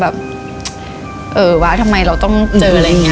แบบเออหว่าทำไมเราต้องเจออะไรเงี้ย